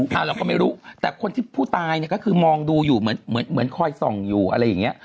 เราก็ไม่รู้แต่คนที่ผู้ตายก็คือมองดูอยู่เหมือนคอยส่องอยู่อะไรอย่างนี้